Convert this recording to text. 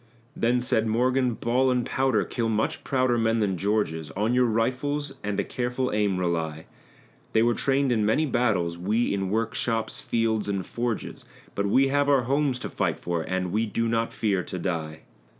Then said Morgan, "Ball and powder kill much prouder men than George's; On your rifles and a careful aim rely. They were trained in many battles we in workshops, fields, and forges; But we have our homes to fight for, and we do not fear to die."